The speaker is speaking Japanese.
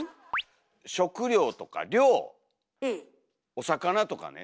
お魚とかね。